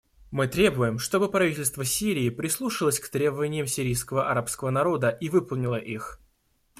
Мы требуем, чтобы правительство Сирии прислушалось к требованиям сирийского арабского народа и выполнило их.